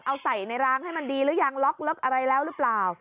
เอาใส่ในรางให้มันดีหรือยังล็อกลึกอะไรแล้วหรือเปล่า